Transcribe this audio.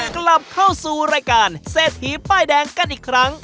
กลับเข้าสู่รายการเศรษฐีป้ายแดงกันอีกครั้ง